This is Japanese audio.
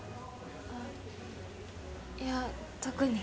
あっいや特に。